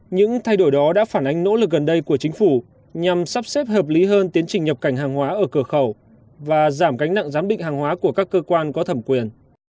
những thay đổi đó đã phản ánh nỗ lực gần đây của chính phủ nhằm sắp xếp hợp lý hơn tiến trình nhập cảnh hàng hóa ở cửa khẩu và giảm gánh nặng giám định hàng hóa của các cơ quan có thẩm quyền